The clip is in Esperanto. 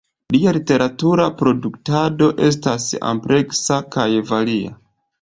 Lia literatura produktado estas ampleksa kaj varia.